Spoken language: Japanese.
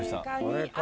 これか。